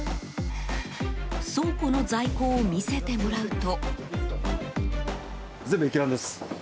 倉庫の在庫を見せてもらうと。